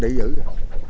một tỷ rưỡi rồi